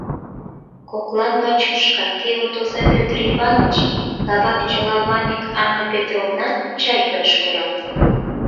Коклан бачушка, кевыт оза Пӧтыр Иваныч, кабак чолаваньык Анна Петровнат чай йӱаш пурат.